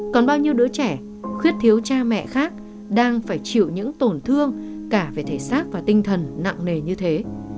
còn bao nhiêu đứa trẻ khuyết thiếu cha mẹ khác đang phải chịu những tổn thương cả về thể xác và tinh thần nặng nề như thế